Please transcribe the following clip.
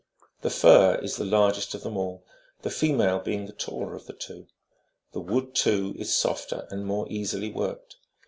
The fir is the largest of them all, the female being the taller of the two ; the wood, too, is softer and more easily worked.